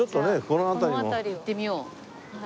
この辺り行ってみよう！